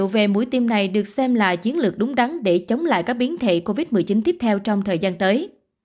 về mũi tiêm này được xem là chiến lược đúng đắn để chống lại các biến thể covid một mươi chín tiếp theo trong thời gian tới